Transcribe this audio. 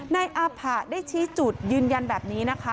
นายอาผะได้ชี้จุดยืนยันแบบนี้นะคะ